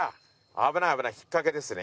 危ない危ない引っかけですね。